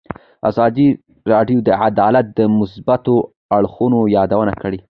ازادي راډیو د عدالت د مثبتو اړخونو یادونه کړې.